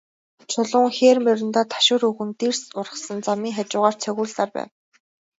Чулуун хээр мориндоо ташуур өгөн, дэрс ургасан замын хажуугаар цогиулсаар байв.